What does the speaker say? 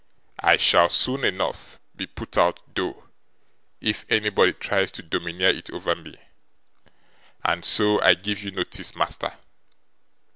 'I shall, soon enough, be put out, though, if anybody tries to domineer it over me: and so I give you notice, master.